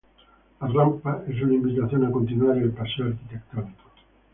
La rampa es una invitación a continuar el paseo arquitectónico.